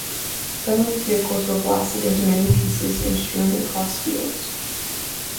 Some of the vehicles were blasted into many pieces and strewn across fields.